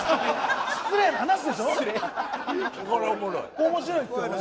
これ面白いですよね。